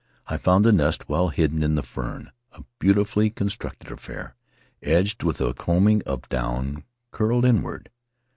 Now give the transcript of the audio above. I found the nest well hidden in the fern — a beautifully constructed affair, edged with a coaming of down, curled inward.